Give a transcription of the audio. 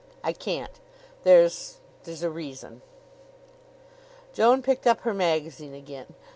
"I can't. There's there's a reason." Joan picked up her magazine again.